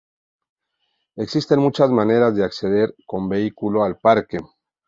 Existen muchas maneras de acceder con vehículo al parque.